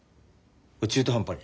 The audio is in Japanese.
中途半端に。